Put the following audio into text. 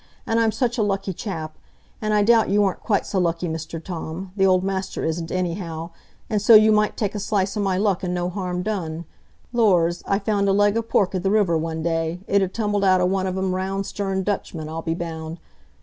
An' I'm such a lucky chap; an' I doubt you aren't quite so lucky, Mr Tom,—th' old master isn't, anyhow,—an' so you might take a slice o' my luck, an' no harm done. Lors! I found a leg o' pork i' the river one day; it had tumbled out o' one o' them round sterned Dutchmen, I'll be bound.